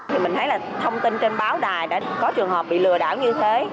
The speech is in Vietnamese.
thì mình thấy là thông tin trên báo đài đã có trường hợp bị lừa đảo như thế